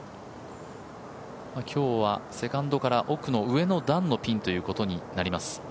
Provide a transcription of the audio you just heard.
今日はセカンドから奥の、上の段のピンということになります。